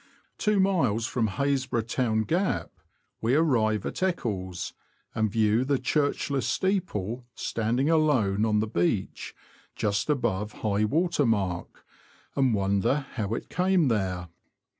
Two miles from Hasbro' Town Gap we arrive at Eccles, and view the churchless steeple, standing alone on the beach, just above high water mark, and wonder how it came there.